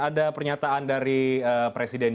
ada pernyataan dari presiden